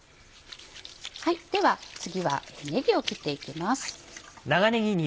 では次はねぎを切っていきます。